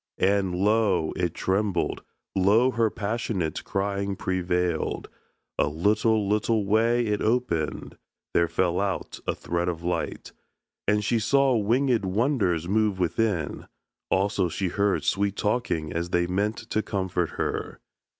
And lo! it trembled, lo! her passionate Crying prevailed. A little little way It opened: there fell out a thread of light, And she saw wingèd wonders move within; Also she heard sweet talking as they meant To comfort her.